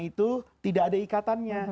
itu tidak ada ikatannya